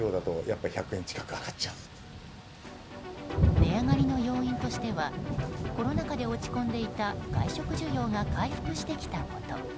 値上がりの要因としてはコロナ禍で落ち込んでいた外食需要が回復してきたこと。